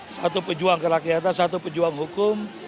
satu pejuang kerakyatan satu pejuang hukum